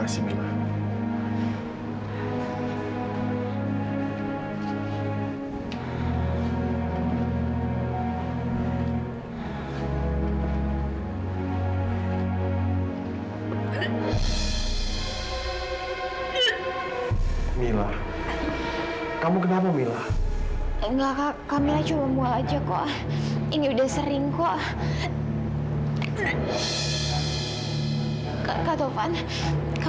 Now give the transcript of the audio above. sampai jumpa di video selanjutnya